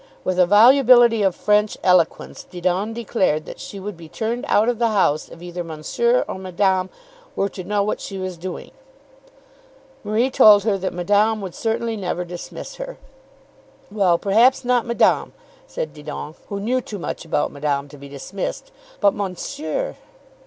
With a volubility of French eloquence, Didon declared that she would be turned out of the house if either Monsieur or Madame were to know what she was doing. Marie told her that Madame would certainly never dismiss her. "Well, perhaps not Madame," said Didon, who knew too much about Madame to be dismissed; "but Monsieur!"